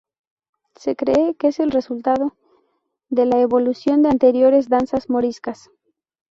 Se cree que es resultado de la evolución de anteriores danzas moriscas.